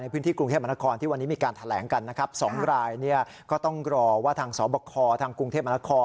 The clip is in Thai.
ในพื้นที่กรุงเทศมนาคม